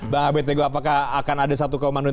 bang abed tego apakah akan ada satu komando